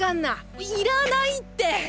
いらないって！